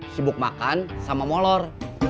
sibuk makan sama molor